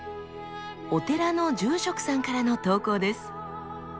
お寺の住職さんからの投稿です。